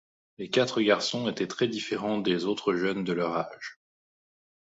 Les quatre garçons étaient très différents des autres jeunes de leur âge.